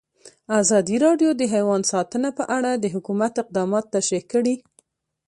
ازادي راډیو د حیوان ساتنه په اړه د حکومت اقدامات تشریح کړي.